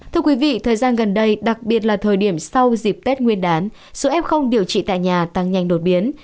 thưa quý vị thời gian gần đây đặc biệt là thời điểm sau dịp tết nguyên đán số f điều trị tại nhà tăng nhanh đột biến